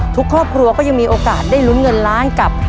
ทุกครอบครัวก็ยังมีโอกาสได้ลุ้นเงินล้านกับ